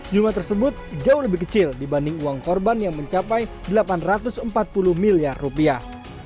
jumlah tersebut jauh lebih kecil dibanding uang korban yang mencapai delapan ratus empat puluh miliar rupiah